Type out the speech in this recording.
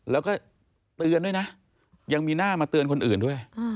แล้วก็เตือนด้วยนะยังมีหน้ามาเตือนคนอื่นด้วย